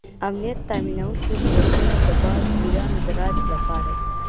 امنیت تامینونکي قوتونه د باج ګیرانو د راج لپاره دي.